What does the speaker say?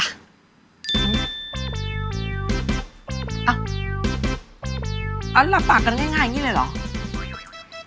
อ้าวอันหลับปากกันง่ายง่ายอย่างงี้เลยเหรอ